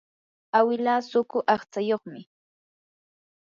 awilaa suqu aqtsayuqmi.